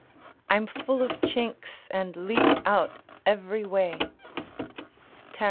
["I'm full of chinks, and leak out every way." Ter.